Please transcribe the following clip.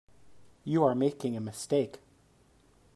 You are making a mistake.